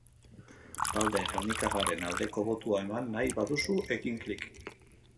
Talde gernikarraren aldeko botua eman nahi baduzu, egin klik!